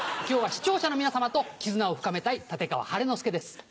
今日は視聴者の皆様と絆を深めたい立川晴の輔です。